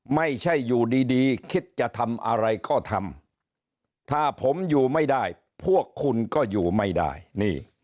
ไม่ใช่อยู่ดีคิดจะทำอะไรก็ทำถ้าผมอยู่ไม่ได้พวกคุณก็อยู่ไม่ได้นี่